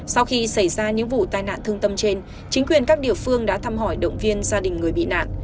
sau khi xảy ra những vụ tai nạn thương tâm trên chính quyền các địa phương đã thăm hỏi động viên gia đình người bị nạn